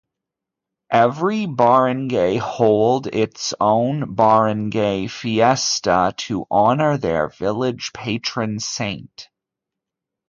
Every barangay hold its own barangay fiesta to honor their village patron saint.